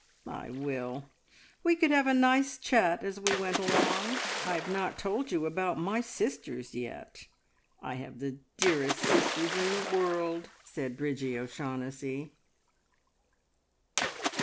"I will. We could have a nice chat as we went along. I have not told you about my sisters yet. I have the dearest sisters in the world!" said Bridgie O'Shaughnessy.